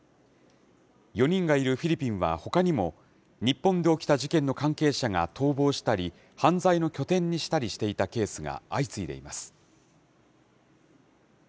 ４人がいるフィリピンはほかにも、日本で起きた事件の関係者が逃亡したり、犯罪の拠点にしたりしていたケースが相次いでいます。